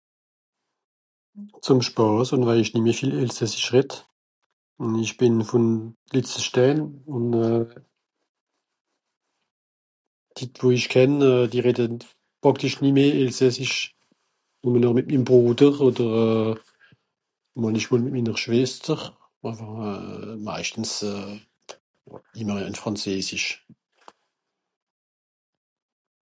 Par plaisir, je ne parle plus beaucouo alsacien ; je suis de Litzelstein Les gens que je connais ne parlent quasimentplus alsacien , seulement avec mon frère, ma soeur, mais la plupart du temps on.patle français